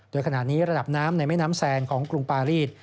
โดยขณะนี้ระดับน้ำในแม่น้ำแซงของกรุงปารีส